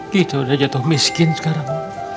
kita udah jatuh miskin sekarang